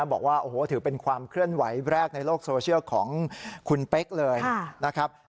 บอกว่าโอ้โหถือเป็นความเคลื่อนไหวแรกในโลกโซเชียลของคุณเป๊กเลยนะครับ